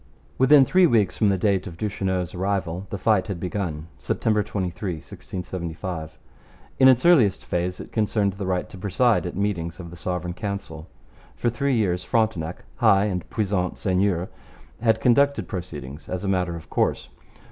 Within three weeks from the date of Duchesneau's arrival the fight had begun (September 23, 1675). In its earliest phase it concerned the right to preside at meetings of the Sovereign Council. For three years Frontenac, 'high and puissant seigneur,' had conducted proceedings as a matter of course.